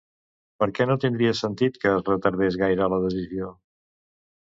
Per què no tindria sentit que es retardés gaire la decisió?